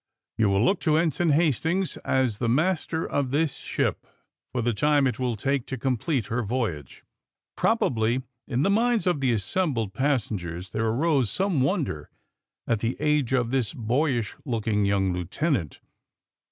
You will look to Ensign Hastings as the master of this ship for the time it will take to complete her voyage." Probably in the minds of the assembled pas sengers there arose some wonder at the age of this boyish looking young lieutenant.